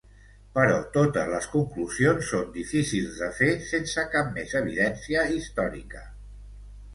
Però totes les conclusions són difícils de fer sense cap més evidència històrica.